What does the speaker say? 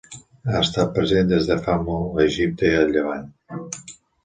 Ha estat present des de fa molt a Egipte i el Llevant.